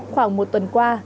khoảng một tuần qua